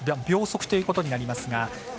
秒速ということになりますが。